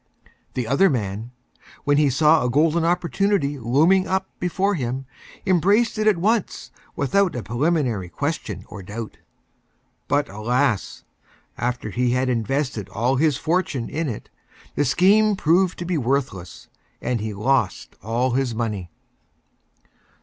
The Other Man, when he saw a Golden Opportunity Looming Up Before him, Embraced it at once, without a Preliminary Question or Doubt. But alas! after he had Invested all his Fortune in it, the Scheme proved to be Worthless, and he Lost all his Money.